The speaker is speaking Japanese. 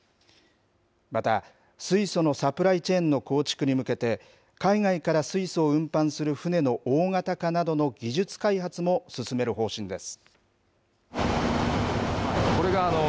また、水素のサプライチェーンの構築に向けて、海外から水素を運搬する船の大型化などの技術開発も進める方針です。